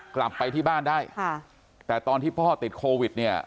กลับไปที่บ้านได้ค่ะแต่ตอนที่พ่อติดโควิดเนี่ย